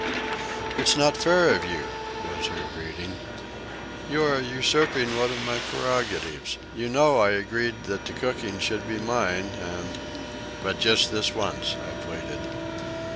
"It's not fair of you," was her greeting. "You are usurping one of my prerogatives. You know you agreed that the cooking should be mine, and—" "But just this once," I pleaded.